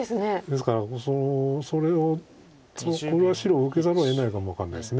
ですからこれは白受けざるをえないかも分かんないです。